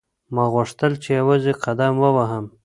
ما غوښتل چې یوازې قدم ووهم.